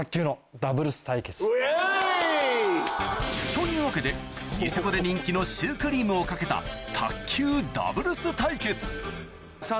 イエイ！というわけでニセコで人気のシュークリームを懸けた卓球ダブルス対決